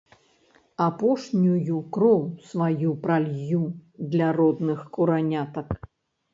Апошнюю кроў сваю пралью для родных куранятак.